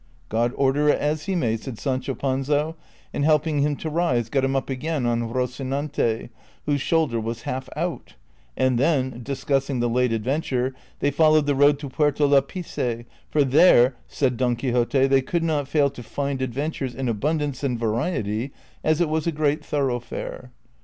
"God order it as he may," said Sancho Panza, and hel]»ing him to rise got him up again on Rocinante, whose shoulder was half out ; and then, discussing the late adventure, they followed the road to Puerto Lapice, for there, said Don Quixote, they could not fail to find adventures in abundance and variety, as it was a great thoroughfare.